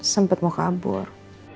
sempet mau kabur